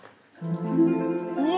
うわ！